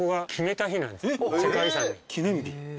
記念日？